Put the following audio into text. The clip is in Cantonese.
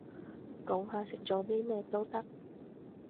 講下食咗啲咩都得